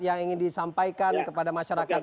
yang ingin disampaikan kepada masyarakat